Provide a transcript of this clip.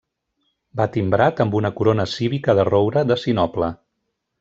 Va timbrat amb una corona cívica de roure de sinople.